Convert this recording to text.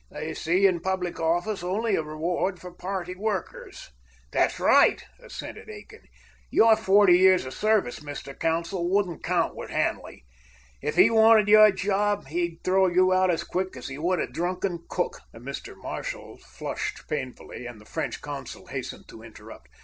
They see in public office only a reward for party workers." "That's right," assented Aiken. "Your forty years' service, Mr. Consul, wouldn't count with Hanley. If he wanted your job, he'd throw you out as quick as he would a drunken cook." Mr. Marshall flushed painfully, and the French consul hastened to interrupt.